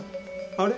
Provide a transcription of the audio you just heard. あれ？